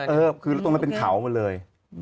เออคือตรงนั้นเป็นเขามาเลย